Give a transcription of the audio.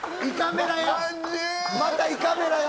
また胃カメラや。